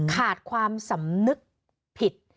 ขาดความสำนึกผิด